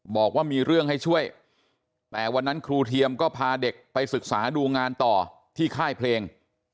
บอกว่ามีเรื่องให้ช่วยแต่วันนั้นครูเทียมก็พาเด็กไปศึกษาดูงานต่อที่ค่ายเพลง